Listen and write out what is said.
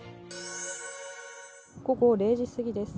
午後０時過ぎです。